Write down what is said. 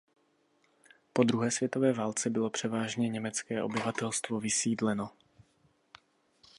Po druhé světové válce bylo převážně německé obyvatelstvo vysídleno.